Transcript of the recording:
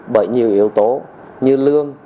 bởi nhiều yếu tố như lương